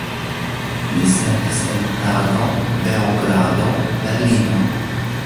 Li servis en Prago, Beogrado, Berlino.